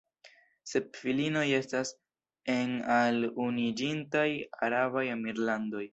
Sep filioj estas en al Unuiĝintaj Arabaj Emirlandoj.